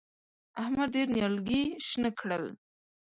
احمد ډېر نيالګي شنه کړل.